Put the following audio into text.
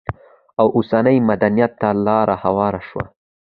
او اوسني مدنيت ته لار هواره شوه؛